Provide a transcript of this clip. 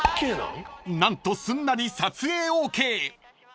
［何とすんなり撮影ＯＫ］